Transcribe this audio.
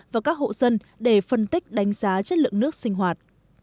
và các hộ dân để phân tích đánh giá chất lượng nước sinh hoạt